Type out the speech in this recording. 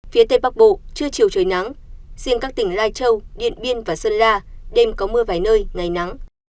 phía tây bắc bộ trưa chiều trời nắng riêng các tỉnh lai châu điện biên và sơn la đêm có mưa vài nơi ngày nắng